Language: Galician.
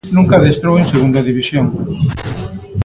Nunca adestrou en Segunda División.